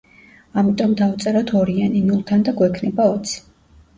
ამიტომ დავწეროთ ორიანი ნულთან და გვექნება ოცი.